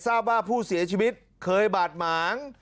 ทราบว่าผู้เสียชีวิตเคยบาดหมาง